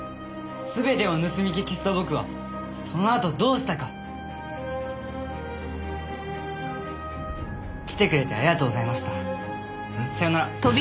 全てを盗み聞きした僕はそのあとどうしたか。来てくれてありがとうございました。さようなら。